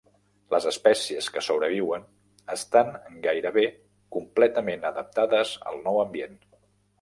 Les espècies que sobreviuen estan gairebé completament adaptades al nou ambient.